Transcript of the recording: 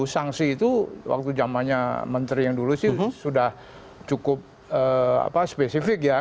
sanksi itu waktu jamannya menteri yang dulu sih sudah cukup spesifik ya